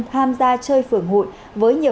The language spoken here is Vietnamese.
tham gia chơi phường hội với nhiều